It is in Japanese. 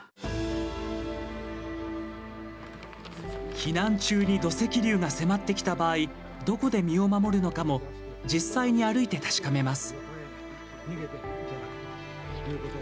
避難中に土石流が迫ってきた場合どこで身を守るのかも実際に歩いて確かめます。